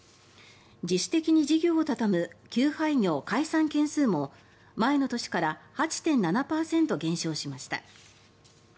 自主的に事業を畳む休廃業・解散件数も前の年から８．７％減少しました。